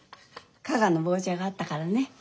加賀の棒茶があったからね。